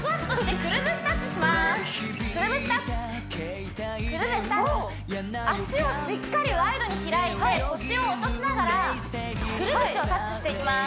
くるぶしタッチくるぶしタッチ脚をしっかりワイドに開いて腰を落としながらくるぶしをタッチしていきます